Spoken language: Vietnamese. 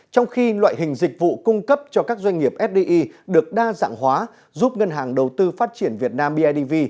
trong khi loại hình dịch vụ cung cấp cho các doanh nghiệp fdi được đa dạng hóa giúp ngân hàng đầu tư phát triển việt nam bidv